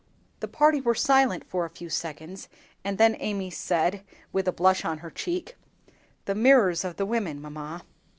The party were silent for a few seconds, and then Amy said, with a blush on her cheek, "The mirrors of the women, mamma."